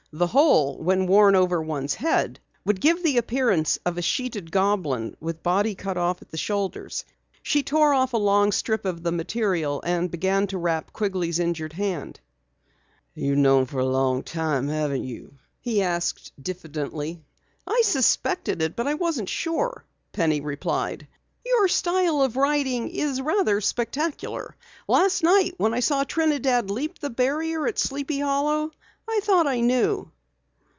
The whole, when worn over one's head, would give an appearance of a sheeted goblin with body cut off at the shoulders. She tore off a long strip of the material and began to wrap Quigley's injured hand. "You've known for a long time, haven't you?" he asked diffidently. "I suspected it, but I wasn't sure," Penny replied. "Your style of riding is rather spectacular. Last night when I saw Trinidad leap the barrier at Sleepy Hollow I thought I knew."